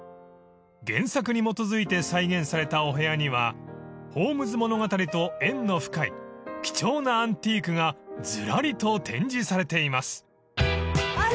［原作に基づいて再現されたお部屋にはホームズ物語と縁の深い貴重なアンティークがずらりと展示されています］